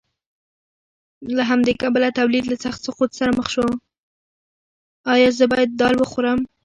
ایا زه باید دال وخورم؟